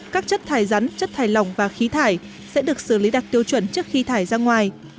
các chất thải rắn chất thải lỏng và khí thải sẽ được xử lý đặt tiêu chuẩn trước khi thải ra ngoài